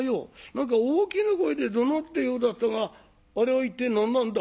何か大きな声でどなってるようだったがあれは一体何なんだ？」。